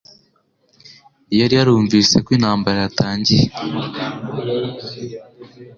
Yari yarumvise ko intambara yatangiye